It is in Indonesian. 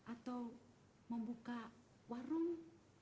atau membuka warung